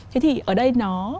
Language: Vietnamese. thế thì ở đây nó